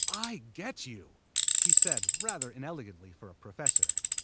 "I get you," he said, rather inelegantly for a professor.